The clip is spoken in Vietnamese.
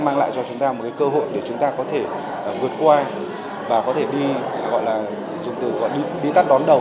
mang lại cho chúng ta một cái cơ hội để chúng ta có thể vượt qua và có thể đi tắt đón đầu